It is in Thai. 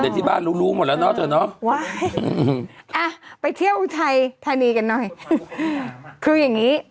แต่ที่บ้านรู้รู้หมดแล้วเนาะเธอเนอะว้ายอ่ะไปเที่ยวอุทัยธานีกันหน่อยคืออย่างงี้